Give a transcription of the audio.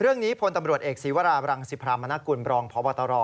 เรื่องนี้พลตำรวจเอกศิวราบรังสิบพรรมมบรองพวตร